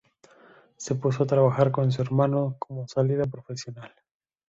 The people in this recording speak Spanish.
Se puso a trabajar con su hermano como salida profesional.